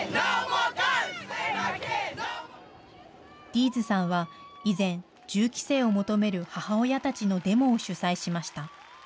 ディーズさんは以前、銃規制を求める母親たちのデモを主催しました。